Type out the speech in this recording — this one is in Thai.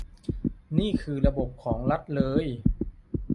นี่คือระบบของรัฐเลย